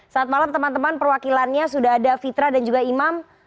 saat malam teman teman perwakilannya sudah ada fitra dan juga imam